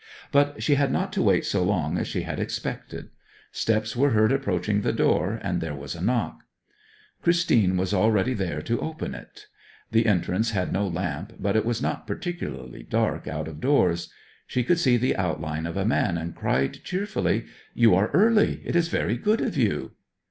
But she had not to wait so long as she had expected; steps were heard approaching the door, and there was a knock. Christine was already there to open it. The entrance had no lamp, but it was not particularly dark out of doors. She could see the outline of a man, and cried cheerfully, 'You are early; it is very good of you.'